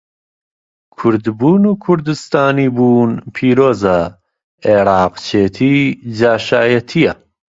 کوردبوون و کوردستانی بوون پیرۆزە، عێڕاقچێتی جاشایەتییە.